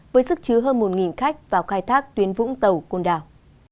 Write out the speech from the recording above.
với sức chứa hơn một khách vào khai thác tuyến vũng tàu côn đảo